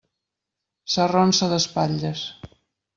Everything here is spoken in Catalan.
S'arronsa d'espatlles.